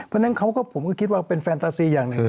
เพราะฉะนั้นเขาก็ผมก็คิดว่าเป็นแฟนตาซีอย่างหนึ่ง